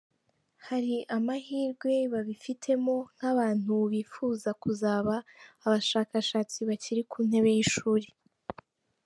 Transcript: Hari amahirwe babifitemo nk’abantu bifuza kuzaba abashakashatsi bakiri ku ntebe y’ishuri.